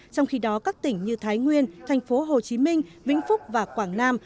trong khi đó các tỉnh như thái nguyên thành phố hồ chí minh vĩnh phúc và quảng nam